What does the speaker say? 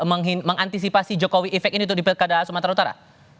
mengantisipasi jokowi effect ini untuk di pekadang sumatera utara